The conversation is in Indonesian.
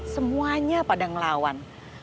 semuanya pada ngelawan